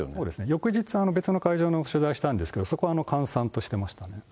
翌日、別の会場の取材したんですけども、そこは閑散としてましたね。